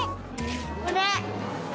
これ！